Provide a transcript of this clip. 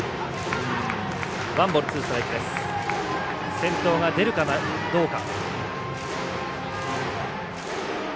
先頭が出るかどうか。